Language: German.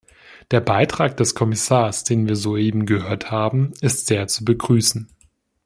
Der Beitrag des Kommissars, den wir soeben gehört haben, ist sehr zu begrüßen.